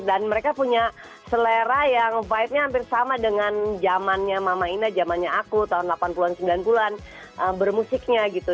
dan mereka punya selera yang vibe nya hampir sama dengan jamannya mama ina jamannya aku tahun delapan puluh an sembilan puluh an bermusiknya gitu